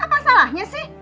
apa salahnya sih